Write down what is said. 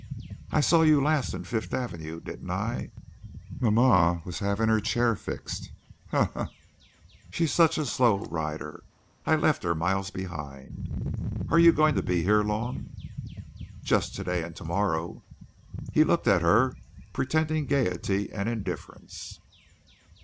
"I saw you last in Fifth Avenue, didn't I? Mama was having her chair fixed. Ha, ha! She's such a slow rider! I've left her miles behind. Are you going to be here long?" "Just today and tomorrow." He looked at her, pretending gaiety and indifference.